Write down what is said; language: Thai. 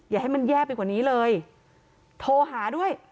อย่าให้มันแย่ไปกว่านี้เลยโทรหาด้วย